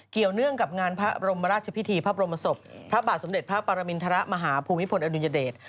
เนื่องกับงานพระบรมราชพิธีพระบรมศพพระบาทสมเด็จพระปรมินทรมาฮภูมิพลอดุญเดช